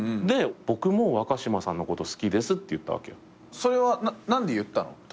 で僕も若島さんのこと好きですって言ったわけよ。それは何で言ったの？